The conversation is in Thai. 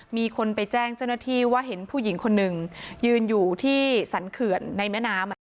มีคนไปแจ้งจ้าวหน้าที่ว่าเห็นผู้หญิงยืนอยู่ที่สันเขื่อนในมะนาม